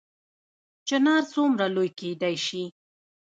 چنار څومره لوی کیدی شي؟